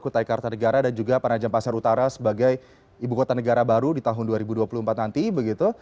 kota ikarta negara dan juga panajam pasar utara sebagai ibu kota negara baru di tahun dua ribu dua puluh empat nanti